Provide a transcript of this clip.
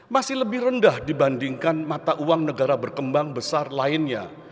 masih lebih rendah dibandingkan mata uang negara berkembang besar lainnya